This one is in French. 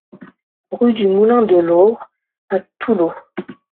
Rue du Moulin de l'Aure à Toulaud